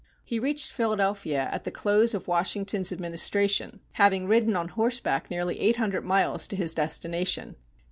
He reached Philadelphia at the close of Washington's administration, having ridden on horseback nearly eight hundred miles to his destination.